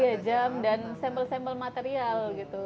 iya jam dan sampel sampel material gitu